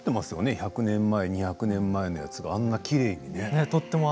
１００年前２００年前のやつがあんなにきれいにね。